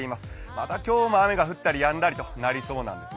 また今日も雨が降ったりやんだりとなりそうです。